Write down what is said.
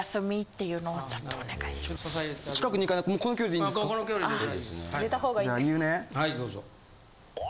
はいどうぞ。